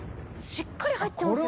しっかり入ってますよね。